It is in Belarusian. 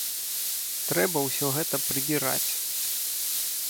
Трэба ўсё гэта прыбіраць.